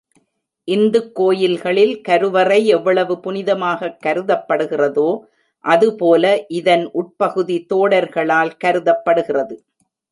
இந்துக் கோயில்களில் கருவறை எவ்வளவு புனிதமாகக் கருதப்படுகிறதோ, அது போல இதன் உட்பகுதி தோடர்களால் கருதப்படுகிறது.